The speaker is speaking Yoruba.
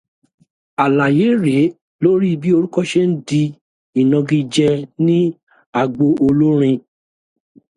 Àlàyé rèé lórí bí orúkọ ṣe ń dí ìnagijẹ ní agbo olórin.